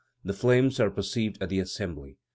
The flames are perceived at the Assembly.